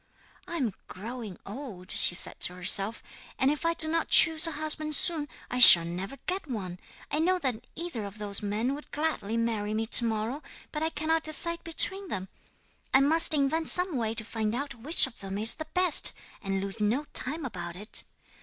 '"I am growing old," she said to herself, "and if I do not choose a husband soon, I shall never get one! I know that either of those men would gladly marry me to morrow, but I cannot decide between them. I must invent some way to find out which of them is the best, and lose no time about it."